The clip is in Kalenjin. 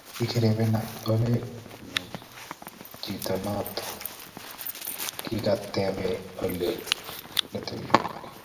Kikirepena lolenyu chichotok kikatepee ole legiteno.